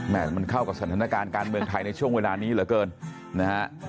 มันเข้ากับสถานการณ์การเมืองไทยในช่วงเวลานี้เหลือเกินนะฮะ